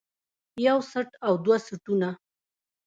يو څټ او دوه څټونه